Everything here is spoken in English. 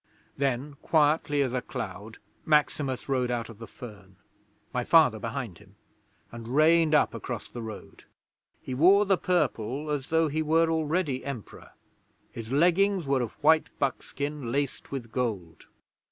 'Then, quietly as a cloud, Maximus rode out of the fern (my Father behind him), and reined up across the road. He wore the Purple, as though he were already Emperor; his leggings were of white buckskin laced with gold.